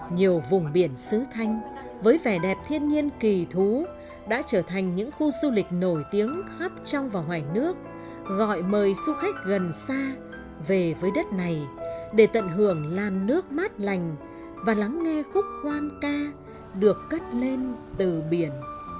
nhiều vùng biển sứ thanh với vẻ đẹp thiên nhiên kỳ thú đã trở thành những khu du lịch nổi tiếng khắp trong và ngoài nước gọi mời du khách gần xa về với đất này để tận hưởng lan nước mát lành và lắng nghe khúc hoan ca được cất lên từ biển